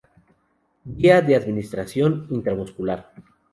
Vía de administración: intramuscular.